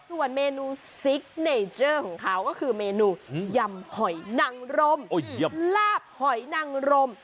ส่วนเมนูซิกเนเจอร์ของเขาก็คือเมนูยำหอยนังรมลาบหอยนังรม